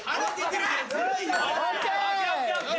ＯＫ！